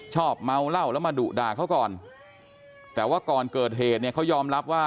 เมาเหล้าแล้วมาดุด่าเขาก่อนแต่ว่าก่อนเกิดเหตุเนี่ยเขายอมรับว่า